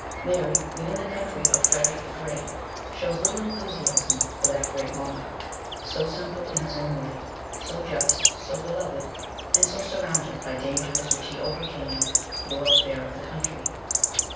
Mary, when in the country of Frederic the Great, shows little enthusiasm for that ITALY REVISITED. 223 great monarch, so simple in his own life, so just, so beloved, and so surrounded by dangers which he over came for the welfare of the country.